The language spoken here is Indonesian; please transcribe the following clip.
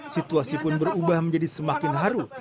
situasi pun berubah menjadi semakin haru